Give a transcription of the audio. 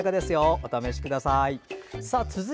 お試しください。